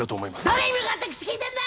誰に向かって口利いてんだ！